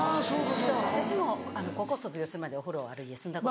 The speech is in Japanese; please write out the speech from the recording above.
私も高校卒業するまでお風呂ある家住んだことなくて。